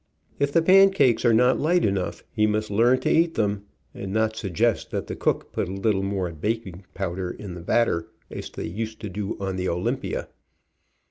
If the pancakes are not light enough, he must learn to eat them, and not suggest that the cook put a little more baking pow der in the batter, as they used to do on the Olympia.